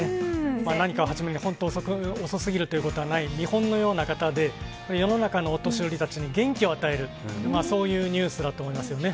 何かを始めるのに、本当に遅過ぎるということはない見本のような方で世の中のお年寄りたちに元気を与えるそういうニュースだと思います。